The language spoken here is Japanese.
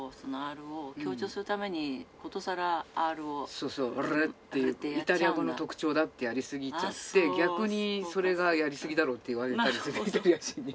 そうそう「オルルッ」ってイタリア語の特徴だってやり過ぎちゃって逆にそれがやり過ぎだろって言われたりするイタリア人に。